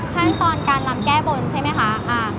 ขั้นตอนการลำแก้บนใช่ไหมคะ